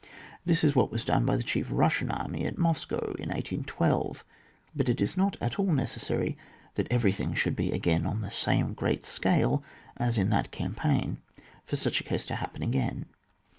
This is what was done by the chief Bussian army at Moscow in 1 8 1 2. But it is not at €ill necessary that everything should be again on the same great scale as in that campaign for such a case to happen again.